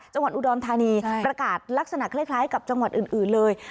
จังหวัดอุดรธานีประกาศลักษณะคล้ายกับจังหวัดอื่นเลย